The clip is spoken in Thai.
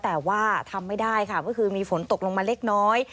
แต่ว่าทำไม่ได้ค่ะก็คือมีฝนตกลงมาเล็กน้อย